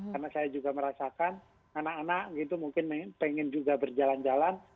karena saya juga merasakan anak anak itu mungkin pengen juga berjalan jalan